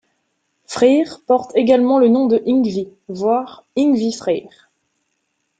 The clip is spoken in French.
Freyr porte également le nom de Yngvi, voir Yngvi-Freyr.